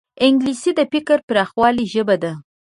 انګلیسي د فکري پراخوالي ژبه ده